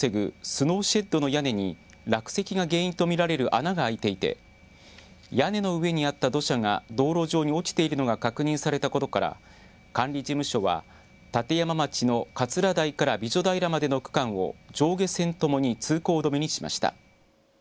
スノーシェッドの屋根に落石が原因と見られる穴が空いていて屋根の上にあった土砂が道路上に落ちているのが確認されたことから管理事務所は立山町の桂台から美女平までの区間を上下線ともに通行止めにしました。